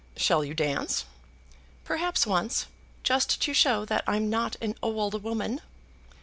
"Shall you dance?" "Perhaps once, just to show that I'm not an old woman."